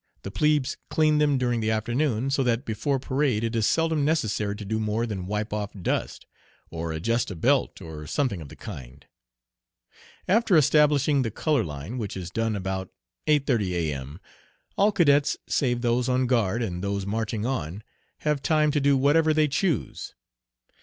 The plebes clean them during the afternoon, so that before parade it is seldom necessary to do more than wipe off dust, or adjust a belt, or something of the kind. After establishing the "color line," which is done about 8.30 A.M., all cadets, save those on guard and those marching on, have time to do whatever they choose.